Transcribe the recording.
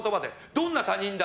どんな他人だ。